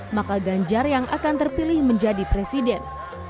maka ganjar yang akan terpilih menjadi presiden